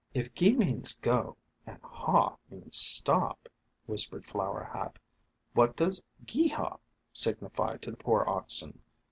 "If 'gee!' means go, and 'haw!' means stop," whispered Flower Hat, "what does 'gee haw!' sig nify to the poor oxen